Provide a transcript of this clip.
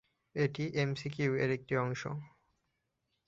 এটি এমসিইউ এর একটি অংশ।